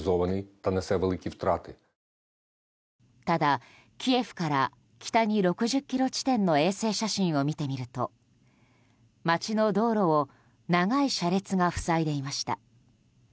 ただ、キエフから北に６０ｋｍ地点の衛星写真を見てみると街の道路を長い車列が塞いでいました。